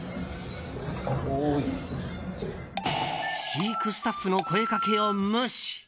飼育スタッフの声掛けを無視。